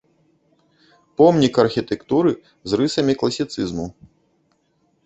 Помнік архітэктуры з рысамі класіцызму.